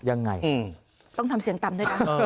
ยังไงอืมต้องทำเสียงตำด้วยนะเออ